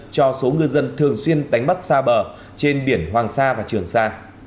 cho số ngư dân thường xuyên đánh bắt xa bờ trên biển hoàng sa và trường sa